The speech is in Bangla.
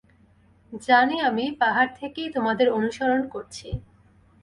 জানি আমি, পাহাড় থেকেই তোমাদের অনুসরণ করছি।